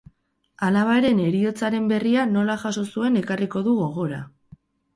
Alabaren heriotzaren berria nola jaso zuen ekarriko du gogora.